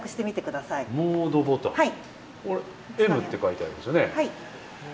Ｍって書いてありますね。